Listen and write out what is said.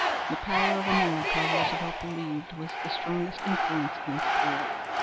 The power of America, Roosevelt believed, was the strongest influence against war.